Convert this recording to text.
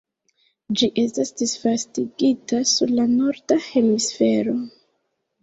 Ĝi estas disvastigita sur la norda hemisfero.